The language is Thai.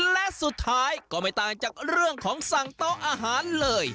และสุดท้ายก็ไม่ต่างจากเรื่องของสั่งโต๊ะอาหารเลย